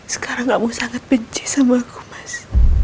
sekarang kamu sangat peci sama aku mas